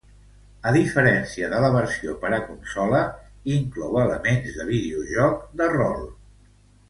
A diferència de la versió per a consola, inclou elements de videojoc de rol.